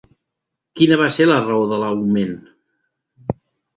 Quina va ser la raó de l'augment?